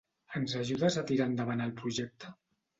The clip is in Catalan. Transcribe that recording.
Ens ajudes a tirar endavant el projecte?